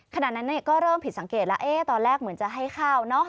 ขณะนั้นก็เริ่มผิดสังเกตแล้วตอนแรกเหมือนจะให้ข้าวเนอะ